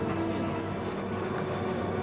terima kasih banyak